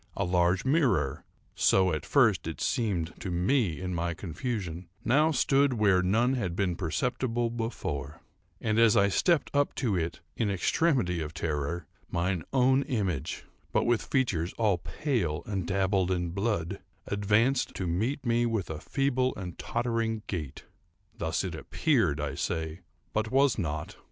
A large mirror,—so at first it seemed to me in my confusion—now stood where none had been perceptible before; and, as I stepped up to it in extremity of terror, mine own image, but with features all pale and dabbled in blood, advanced to meet me with a feeble and tottering gait. Thus it appeared, I say, but was not.